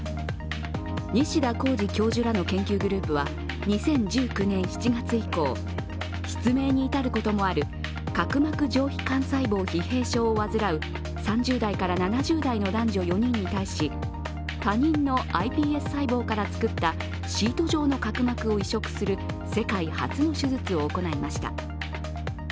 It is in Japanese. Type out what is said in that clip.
西田幸二教授らの研究グループは、２０１９年７月以降、失明に至ることもある角膜上皮幹細胞疲弊症を患う３０代から７０代の男女４人に対し他人のｉＰＳ細胞から作ったシート状の角膜を移植する世界初の手術を行いました。